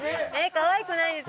かわいくないです。